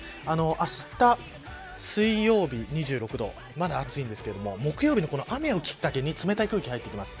あした水曜日２６度まだ暑いんですが木曜日のこの雨をきっかけに冷たい空気が入ってきます。